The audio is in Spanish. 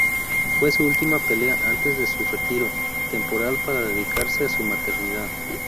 Fue su última pelea antes de su retiro temporal para dedicarse a su maternidad.